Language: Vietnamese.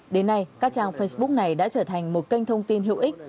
đến nay các trang facebook này đã trở thành một kênh thông tin hữu ích